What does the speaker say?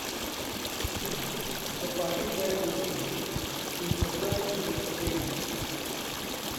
B, the party that receives, is obliged to make a payment.